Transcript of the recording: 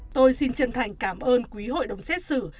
tôi xin chân thành cảm ơn quý hội đồng xét xử